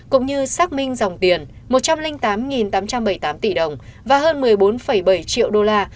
cũng như xác minh dòng tiền một trăm linh tám tám trăm bảy mươi tám tỷ đồng và hơn một mươi bốn bảy triệu đô la